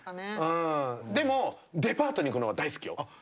でもデパートに行くのは大好きよ。